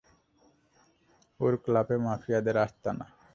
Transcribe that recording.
ওর ক্লাবে মাফিয়াদের আস্তানা।